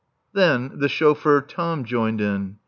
Then the chauffeur Tom joined in.